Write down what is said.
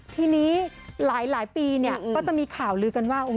ทีนี้หลายปีเนี่ยก็จะมีข่าวลือกันว่า